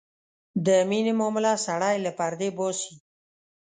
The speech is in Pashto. د مینې معامله سړی له پردې باسي.